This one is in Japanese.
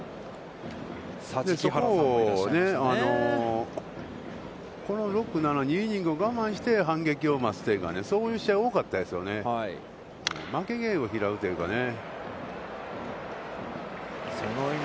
大体、その辺だったんで、そこをね、この６、７、２イニングスを我慢して反撃を待つというか、そういう試合が多かったですよね、負けゲームを拾うというかね。